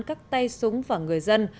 các tay súng và người dân